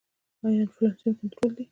آیا انفلاسیون کنټرول دی؟